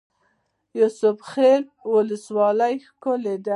یوسف خیل ولسوالۍ ښکلې ده؟